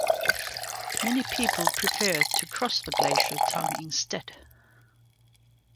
Many people preferred to cross the glacier tongue instead.